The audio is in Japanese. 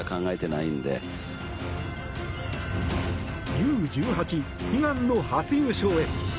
Ｕ−１８悲願の初優勝へ。